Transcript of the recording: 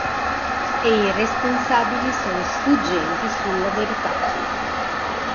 E i responsabili sono sfuggenti sulla verità.